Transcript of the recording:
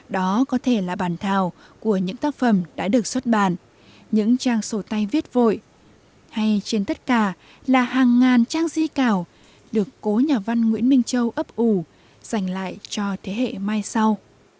đó có thể là bàn thảo của những tác phẩm đã được xuất bản những trang sổ tay viết vội hay trên tất cả là hàng ngàn trang di cảo được cố nhà văn nguyễn minh châu ấp ủ dành lại cho thế hệ mai sau